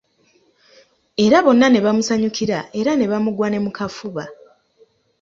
Era bonna ne bamusanyukira era ne bamugwa ne mu kafuba.